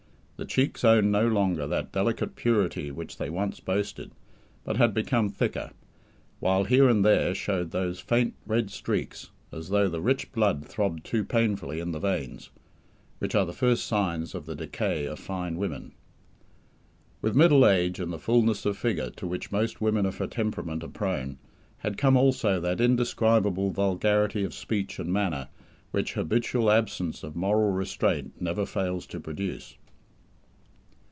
The cheeks owned no longer that delicate purity which they once boasted, but had become thicker, while here and there showed those faint red streaks as though the rich blood throbbed too painfully in the veins which are the first signs of the decay of "fine" women. With middle age and the fullness of figure to which most women of her temperament are prone, had come also that indescribable vulgarity of speech and manner which habitual absence of moral restraint never fails to produce.